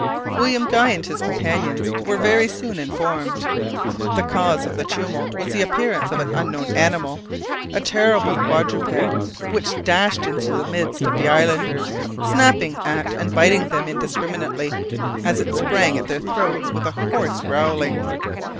William Guy and his companions were very soon informed. The cause of the tumult was the appearance of an unknown animal, a terrible quadruped, which dashed into the midst of the islanders, snapping at and biting them indiscriminately, as it sprang at their throats with a hoarse growling.